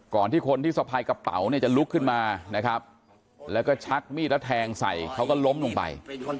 ที่คนที่สะพายกระเป๋าเนี่ยจะลุกขึ้นมานะครับแล้วก็ชักมีดแล้วแทงใส่เขาก็ล้มลงไป